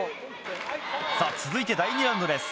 さぁ続いて第２ラウンドです。